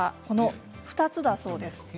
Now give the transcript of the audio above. この２つだそうです。